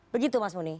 begitu mas muni